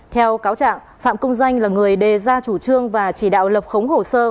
theo cáo trạng phạm công danh là người đề ra chủ trương và chỉ đạo lập khống hồ sơ